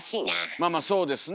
まあまあそうですね。